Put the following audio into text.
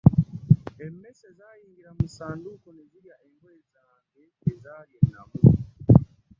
Emmese zayingira mu ssanduuko ne zirya engoye zange ezaali ennamu.